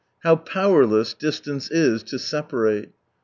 How powerless disiance is to separate.